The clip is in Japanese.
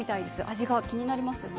味が気になりますよね。